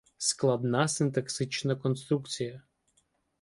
Складна синтаксична конструкція